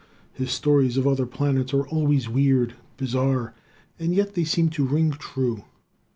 His stories of other planets are always weird, bizarre, and yet they seem to ring true.